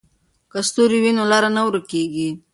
که ستوري وي نو لار نه ورکېږي.